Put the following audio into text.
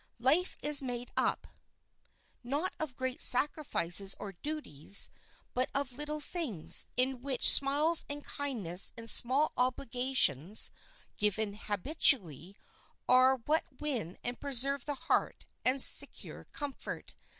Life is made up, not of great sacrifices or duties, but of little things, in which smiles and kindness and small obligations, given habitually, are what win and preserve the heart and secure comfort.